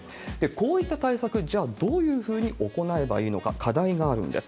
こういった対策、じゃあ、どういうふうに行えばいいのか、課題があるんです。